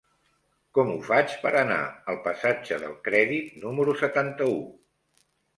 Com ho faig per anar al passatge del Crèdit número setanta-u?